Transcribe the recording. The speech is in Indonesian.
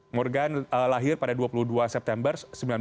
morgan lahir pada dua puluh dua september seribu sembilan ratus empat puluh